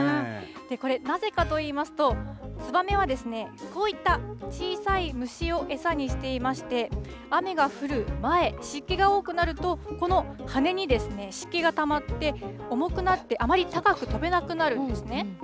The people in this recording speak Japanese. これ、なぜかといいますと、ツバメは、こういった小さい虫を餌にしていまして、雨が降る前、湿気が多くなると、この羽に湿気がたまって、重くなって、あまり高く飛べなくなるんですね。